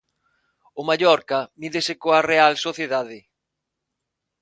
O Mallorca mídese coa Real Sociedade.